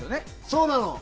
そうなの。